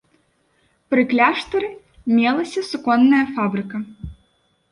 Пры кляштары мелася суконная фабрыка.